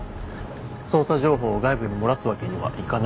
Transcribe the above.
捜査情報を外部に漏らすわけにはいかないので。